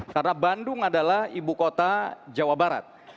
karena bandung adalah ibu kota jawa barat